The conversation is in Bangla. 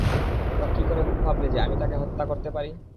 তোমরা কি করে ভাবলে যে, আমি তাঁকে হত্যা করতে পারি?